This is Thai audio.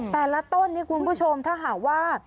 แต่ละต้นนี่คุณผู้ชมถ้าหากว่า